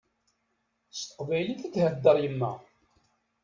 S teqbaylit i theddeṛ yemma.